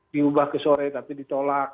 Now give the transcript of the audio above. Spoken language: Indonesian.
diubah ke sore tapi ditolak